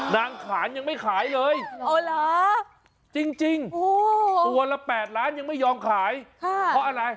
ขานยังไม่ขายเลยจริงตัวละ๘ล้านยังไม่ยอมขายเพราะอะไร